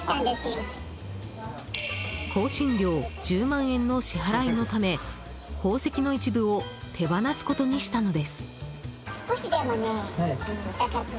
１０万円の支払いのため宝石の一部を手放すことにしたのです。